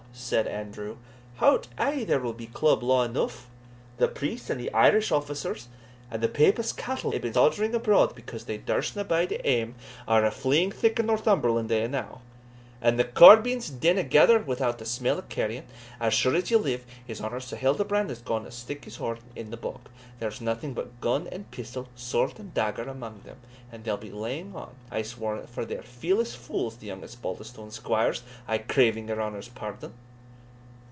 said Andrew, "hout, ay there will be club law eneugh. The priests and the Irish officers, and thae papist cattle that hae been sodgering abroad, because they durstna bide at hame, are a' fleeing thick in Northumberland e'enow; and thae corbies dinna gather without they smell carrion. As sure as ye live, his honour Sir Hildebrand is gaun to stick his horn in the bog there's naething but gun and pistol, sword and dagger, amang them and they'll be laying on, I'se warrant; for they're fearless fules the young Osbaldistone squires, aye craving your honour's pardon."